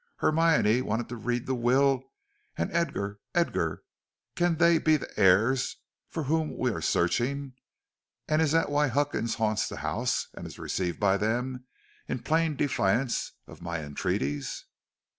Hermione wanted to read the will, and Edgar, Edgar, can they be the heirs for whom we are searching, and is that why Huckins haunts the house and is received by them in plain defiance of my entreaties?"